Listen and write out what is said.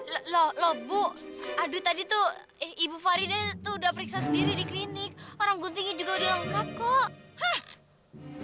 loh loh bu aduh tadi tuh ibu farida tuh udah periksa sendiri di klinik orang guntingnya juga udah lengkap kok